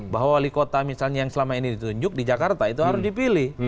bahwa wali kota misalnya yang selama ini ditunjuk di jakarta itu harus dipilih